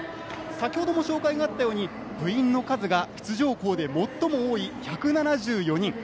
先ほども紹介があったように部員の数が出場校で最も多い１７４人。